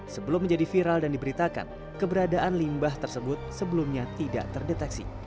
sebelum menjadi viral dan diberitakan keberadaan limbah tersebut sebelumnya tidak terdeteksi